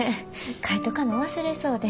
描いとかな忘れそうで。